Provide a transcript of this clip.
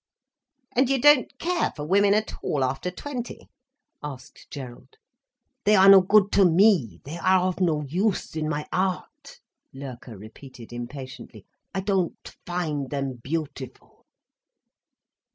"And you don't care for women at all after twenty?" asked Gerald. "They are no good to me, they are of no use in my art," Loerke repeated impatiently. "I don't find them beautiful."